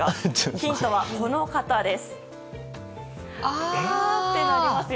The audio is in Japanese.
ヒントはこの方です。